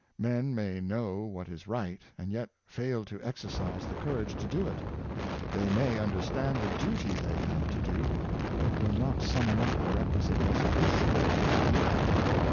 Men may know what is right, and yet fail to exercise the 458 The Virtue of Self hel p. courage to do it; they may understand the* duty they have to do, but will not summon up the requisite reso lution to perform it.